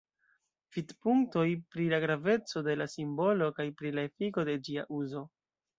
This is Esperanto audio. Vidpunktoj pri la graveco de la simbolo kaj pri la efiko de ĝia uzo.